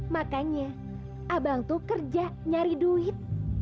makanya abang tuh kerja nyari duit